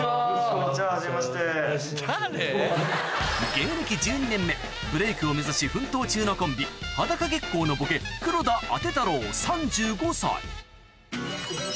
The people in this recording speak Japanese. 芸歴１２年目ブレイクを目指し奮闘中のコンビ裸月光のボケドン！